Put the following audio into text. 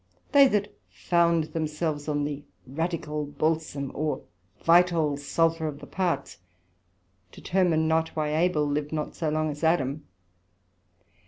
They that found themselves on the radical balsome, or vital sulphur of the parts, determine not why Abel lived not so long as Adam.